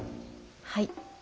はい。